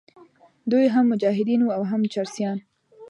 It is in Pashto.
دوی هم مجاهدین وو او هم چرسیان.